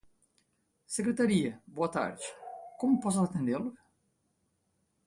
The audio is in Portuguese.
Secretaria, boa tarde. Como posso atendê-lo?